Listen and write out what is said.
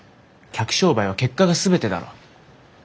客商売は結果が全てだろ。